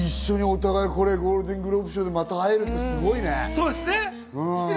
ゴールデングローブ賞でまた会えるってすごいね。